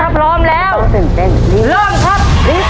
พร้อมแล้วต้องเต้นเต้นเริ่มเริ่มครับ